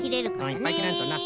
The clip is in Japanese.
いっぱいきらんとな。